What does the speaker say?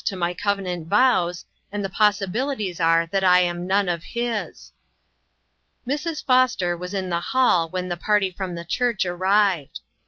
91 to my covenant vows, and the possibilities are that I am none of His. Mrs. Foster was in the hall when the party from the church arrived.